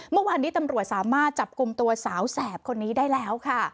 เมื่อวานนี้ตำรวจสามารถจับกลุ่มตัวสาวแสบคนนี้ได้แล้วค่ะ